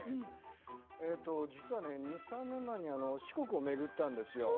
実は２、３年前に四国を巡ったんですよ